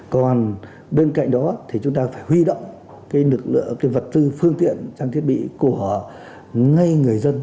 còn bên cạnh đó thì chúng ta phải huy động cái vật tư phương diện trang thiết bị của ngay người dân